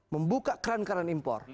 membuka keran keran impor